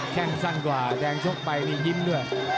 แค่งสั่นกว่าแค่งยกไปยินด้วย